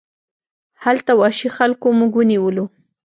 هلته وحشي خلکو موږ ونیولو.